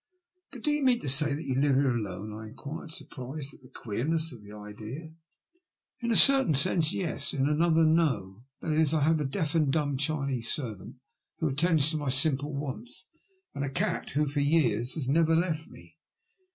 But do you mean to say you live here alone? " I enfjuired, surprised at the queemess of the idea. 66 THE LUST OF HATE. '' In a certain sense, yes — in another, no. That is, I have a deaf and dumb Chinese servant who attends to my simple wants, and a cat who for years has never left me."